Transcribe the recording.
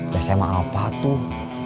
ya saya mah apa tuh